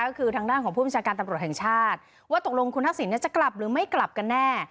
ก็คือทางด้านของผู้บัญชาการตำรวจแห่งชาติว่าตกลงคุณทักษิณจะกลับหรือไม่กลับกันแน่